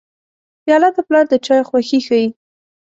پیاله د پلار د چایو خوښي ښيي.